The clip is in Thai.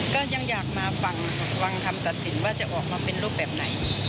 ก็ยังอยากมาฟังฟังคำตัดสินว่าจะออกมาเป็นรูปแบบไหน